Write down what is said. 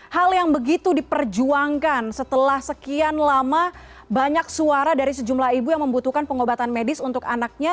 hal yang begitu diperjuangkan setelah sekian lama banyak suara dari sejumlah ibu yang membutuhkan pengobatan medis untuk anaknya